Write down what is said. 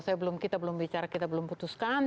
saya belum kita belum bicara kita belum putuskan